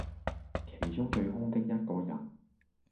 其中最兇的一個人，